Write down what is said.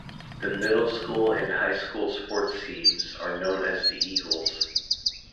The middle school and high school sports teams are known as the Eagles.